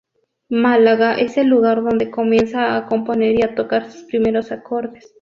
Málaga es el lugar donde comienza a componer y a tocar sus primeros acordes.